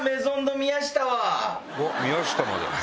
宮下まで。